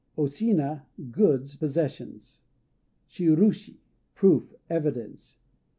O Shina "Goods," possessions. Shirushi "Proof," evidence.